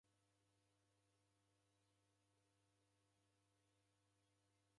W'aghosi w'eka shighadi.